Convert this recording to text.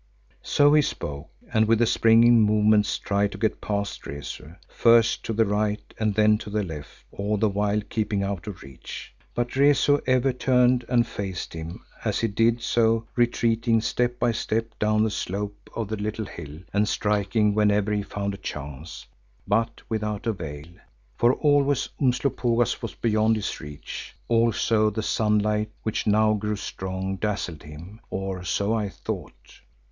So he spoke and with springing movements tried to get past Rezu, first to the right and then to the left, all the while keeping out of reach. But Rezu ever turned and faced him, as he did so retreating step by step down the slope of the little hill and striking whenever he found a chance, but without avail, for always Umslopogaas was beyond his reach. Also the sunlight which now grew strong, dazzled him, or so I thought.